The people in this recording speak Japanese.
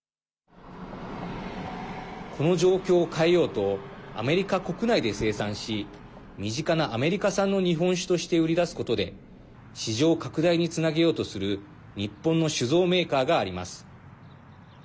この状況を変えようとアメリカ国内で生産し身近なアメリカ産の日本酒として売り出すことで市場拡大につなげようとする日本の酒造メーカーがあります。